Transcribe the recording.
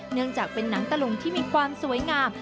เนื่องจากเป็นหนังตะลุงที่มีความสวยงาม